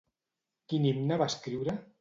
Quin himne va escriure?